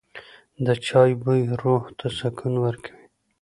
د چای بوی روح ته سکون ورکوي.